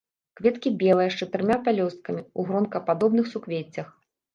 Кветкі белыя, з чатырма пялёсткамі, у гронкападобных суквеццях.